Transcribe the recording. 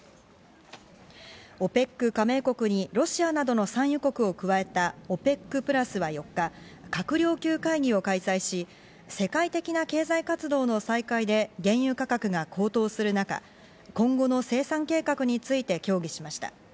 ＯＰＥＣ加盟国にロシアなどの産油国を加えたＯＰＥＣプラスは４日、閣僚級会議を開催し、世界的な経済活動の再開で原油価格が高騰する中、今後の生産計画について協議しました。